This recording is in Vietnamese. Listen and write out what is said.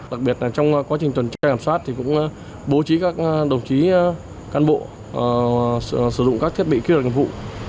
đặc biệt là trong quá trình tuần tra kiểm soát thì cũng bố trí các đồng chí can bộ sử dụng các thiết bị kêu đồng hành vụ